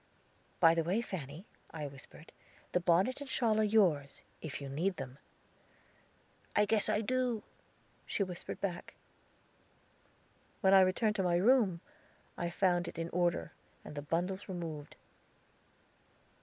"By the way, Fanny," I whispered, "the bonnet and shawl are yours, if you need them." "I guess I do," she whispered back. When I returned to my room, I found it in order and the bundles removed.